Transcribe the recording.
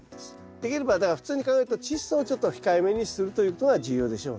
できればだから普通に考えるとチッ素をちょっと控えめにするということが重要でしょうね。